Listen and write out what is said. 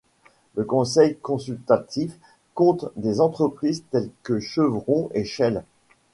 Le conseil consultatif compte des entreprises telles que Chevron et Shell.